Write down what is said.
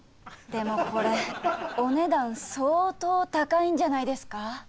でもこれお値段相当高いんじゃないですか？